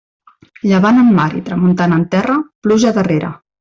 Llevant en mar i tramuntana en terra, pluja darrera.